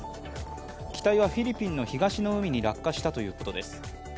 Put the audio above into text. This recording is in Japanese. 機体はフィリピンの東の海に落下したということです。